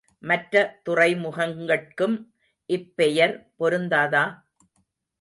மற்ற துறைமுகங்கட்கும் இப்பெயர் பொருந்தாதா?